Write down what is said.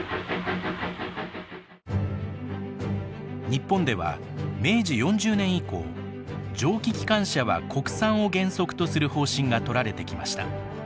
日本では明治４０年以降蒸気機関車は国産を原則とする方針が取られてきました。